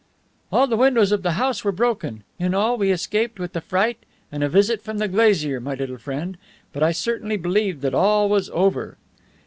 "All the windows of the house were broken. In all, we escaped with the fright and a visit from the glazier, my little friend, but I certainly believed that all was over."